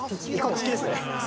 好きです。